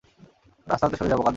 রাস্তা হতে সরে যাও, বোকার দল!